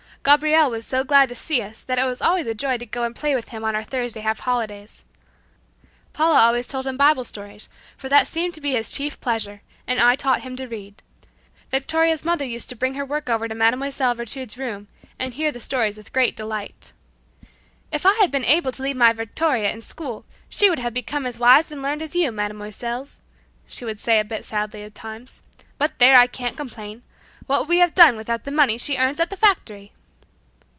Gabriel was so glad to see us that it was always a joy to go and play with him on our Thursday half holidays. Paula always told him Bible stories, for that seemed to be his chief pleasure, and I taught him to read. Victoria's mother used to bring her work over to Mlle. Virtud's room and heard the stories with great delight. "If I had been able to leave my Victoria in school she would have become as wise and learned as you, Mesdemoiselles," she would say a bit sadly at times. "But there, I can't complain; what would we have done without the money she earns at the factory?"